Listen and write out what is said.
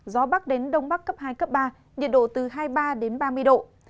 gió bắc đến đông bắc cấp hai cấp ba nhiệt độ từ hai mươi ba đến ba mươi độ